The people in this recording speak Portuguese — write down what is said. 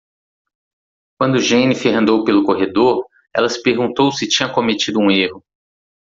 Quando Jennifer andou pelo corredor?, ela se perguntou se tinha cometido um erro.